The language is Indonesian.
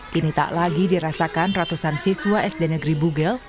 kini tak lagi dirasakan ratusan siswa sd negeri bugel